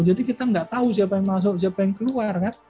jadi kita nggak tahu siapa yang masuk siapa yang keluar kan